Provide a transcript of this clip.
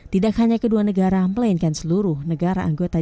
tidak hanya kedua negara melainkan seluruh negara anggota g dua puluh